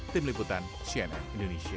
tim liputan cnn indonesia